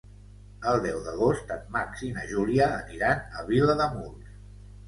El deu d'agost en Max i na Júlia aniran a Vilademuls.